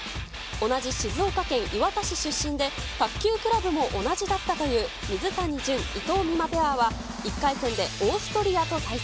同じ静岡県磐田市出身で、卓球クラブも同じだったという水谷隼・伊藤美誠ペアは、１回戦でオーストリアと対戦。